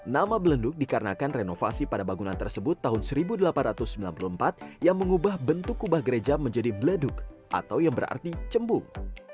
nama belenduk dikarenakan renovasi pada bangunan tersebut tahun seribu delapan ratus sembilan puluh empat yang mengubah bentuk kubah gereja menjadi beleduk atau yang berarti cembung